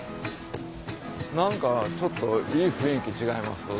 何かちょっといい雰囲気違います？